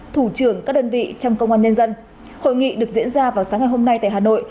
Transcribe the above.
thủ trưởng các đơn vị trong công an nhân dân hội nghị được diễn ra vào sáng ngày hôm nay tại hà nội